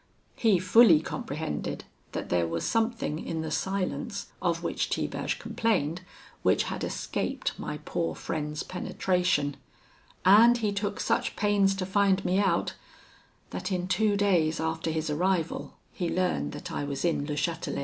He fully comprehended that there was something in the silence of which Tiberge complained, which had escaped my poor friend's penetration; and he took such pains to find me out, that in two days after his arrival he learned that I was in Le Chatelet.